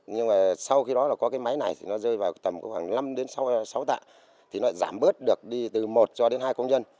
nhưng mà sau khi đó là có cái máy này thì nó rơi vào tầm có khoảng năm đến sáu tạ thì nó giảm bớt được đi từ một cho đến hai công nhân